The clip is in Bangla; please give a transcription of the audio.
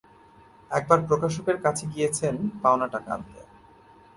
একবার প্রকাশকের কাছে গিয়েছেন পাওনা টাকা আনতে।